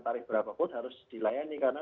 tarif berapapun harus dilayani karena